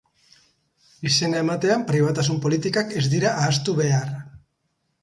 Izena ematean, pribatutasun politikak ez dira ahaztu behar.